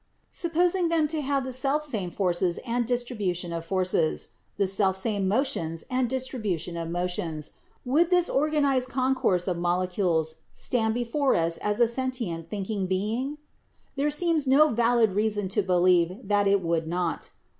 Supposing them to have the 30 BIOLOGY selfsame forces and distribution of forces, the selfsame motions and distribution of motions — would this organized concourse of molecules stand before us as a sentient think ing being? There seems no valid reason to believe that it would not.